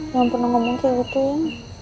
jangan pernah ngomong ke ibu ku ya